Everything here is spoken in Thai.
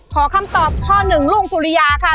ขอคำตอบข้อ๑ลุ้งสุริยาค่ะ